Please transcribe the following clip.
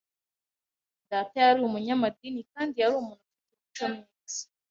Data yari umunyamadini kandi yari umuntu ufite imico myiza.